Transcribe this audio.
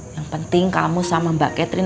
yang penting kamu sama mbak catherine